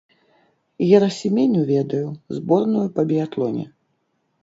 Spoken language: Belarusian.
Герасіменю ведаю, зборную па біятлоне.